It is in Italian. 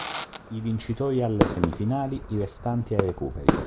I vincitori alle semifinali, i restanti ai recuperi.